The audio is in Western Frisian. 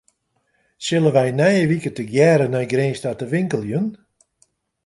Sille wy nije wike tegearre nei Grins ta te winkeljen?